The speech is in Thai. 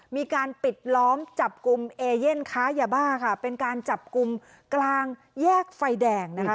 มีการปิดล้อมจับกลุ่มเอเย่นค้ายาบ้าค่ะเป็นการจับกลุ่มกลางแยกไฟแดงนะคะ